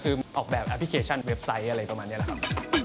คุณมินชอบทำอะไรครับ